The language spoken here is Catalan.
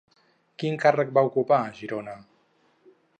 Quin càrrec va ocupar a Girona?